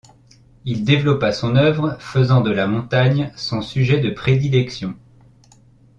Il développa son œuvre faisant de la montagne son sujet de prédilection.